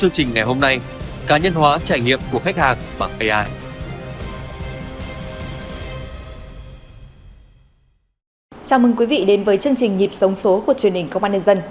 chào mừng quý vị đến với chương trình nhịp sống số của truyền hình công an nhân dân